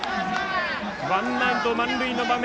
ワンアウト満塁の場面